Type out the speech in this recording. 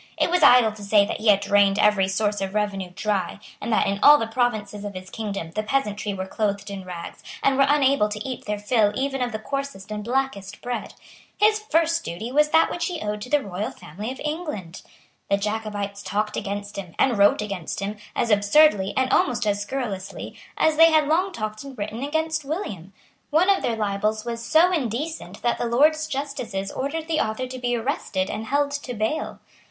It was idle to say that he had drained every source of revenue dry, and that, in all the provinces of his kingdom, the peasantry were clothed in rags, and were unable to eat their fill even of the coarsest and blackest bread. His first duty was that which he owed to the royal family of England. The Jacobites talked against him, and wrote against him, as absurdly, and almost as scurrilously, as they had long talked and written against William. One of their libels was so indecent that the Lords justices ordered the author to be arrested and held to bail.